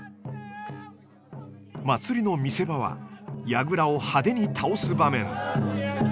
祭りの見せ場は櫓を派手に倒す場面。